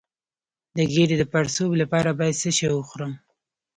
د ګیډې د پړسوب لپاره باید څه شی وخورم؟